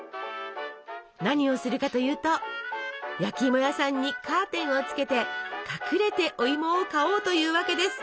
何をするかというと焼きいも屋さんにカーテンをつけて隠れておいもを買おうというわけです。